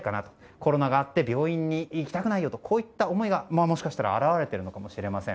コロナがあって病院に行きたくないといった思いが表れているのかもしれません。